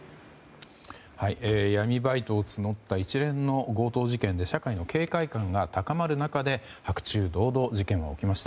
闇バイトを募った一連の強盗事件で社会の警戒感が高まる中で白昼堂々、事件は起きました。